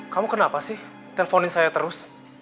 kamu kenapa sih teleponin saya terus